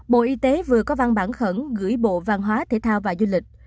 bộ y tế vừa có văn bản khẩn gửi bộ văn hóa thể thao và du lịch